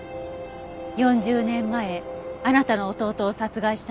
４０年前あなたの弟を殺害したのは。